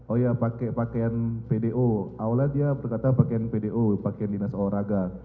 oh ya pakai pakaian pdo awalnya dia berkata pakaian pdo pakaian dinas olahraga